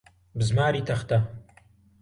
بزماری تەختە.